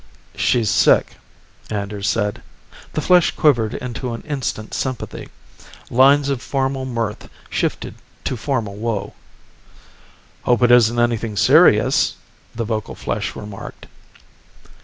"She's sick," Anders said. The flesh quivered into an instant sympathy. Lines of formal mirth shifted to formal woe. "Hope it isn't anything serious," the vocal flesh remarked.